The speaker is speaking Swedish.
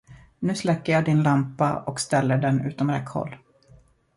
Nu släcker jag din lampa och ställer den utom räckhåll.